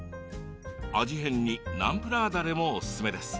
味変のナムプラーだれもおすすめです。